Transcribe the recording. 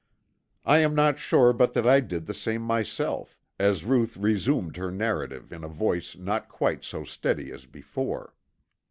I am not sure but that I did the same myself, as Ruth resumed her narrative in a voice not quite so steady as before.